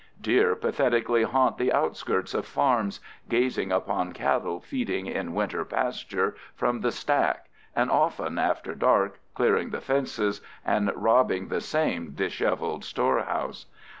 Deer pathetically haunt the outskirts of farms, gazing upon cattle feeding in winter pasture from the stack, and often, after dark, clearing the fences and robbing the same disheveled storehouse.